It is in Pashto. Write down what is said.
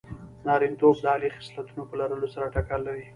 نارینتوب د عالي خصلتونو په لرلو سره ټکر لري.